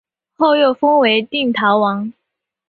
后又封为定陶王。